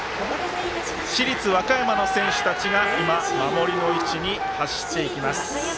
市立和歌山の選手たちが守りの位置に走っていきます。